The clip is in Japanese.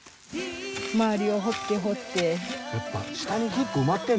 周りを掘って掘って。